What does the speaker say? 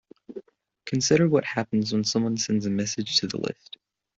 Consider what happens when someone sends a message to the list.